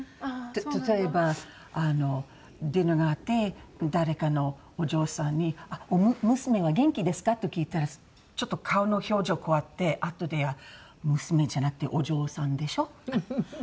例えばディナーがあって誰かのお嬢さんに「娘は元気ですか？」と聞いたらちょっと顔の表情怖くてあとで「娘じゃなくてお嬢さんでしょう」とか。